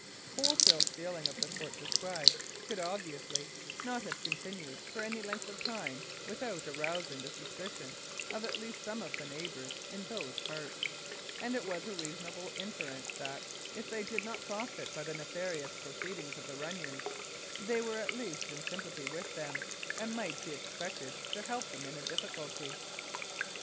Wholesale stealing of the sort described could, obviously, not have continued for any length of time without arousing the suspicion at least of some of the neighbours in those parts, and it was a reasonable inference that, if they did not profit by the nefarious proceedings of the Runnions, they were at least in sympathy with them, and might be expected to help them in a difficulty.